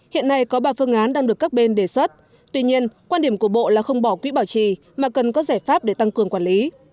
hiện nay có ba phương án đang được các bên đề xuất tuy nhiên quan điểm của bộ là không bỏ quỹ bảo trì mà cần có giải pháp để tăng cường quản lý